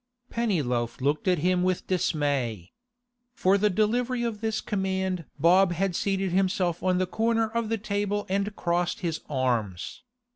Pennyloaf looked at him with dismay. For the delivery of this command Bob had seated himself on the corner of the table and crossed his arms.